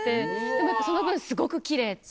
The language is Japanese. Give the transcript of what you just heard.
でもその分すごくキレイって。